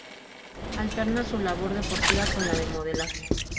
Alterna su labor deportiva con la de modelaje.